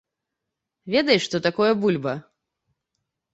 Ведаеш, што такое бульба?